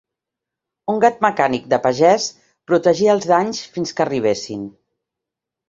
Un gat mecànic de pagès protegia els danys fins que arribessin.